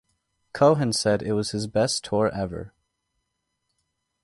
Cohen said it was his best tour ever.